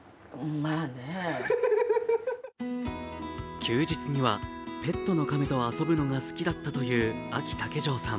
休日にはペットの亀と遊ぶのが好きだったという、あき竹城さん。